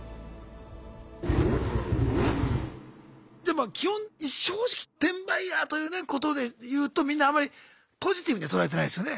ま基本正直転売ヤーというねことでいうとみんなあんまりポジティブには捉えてないですよね。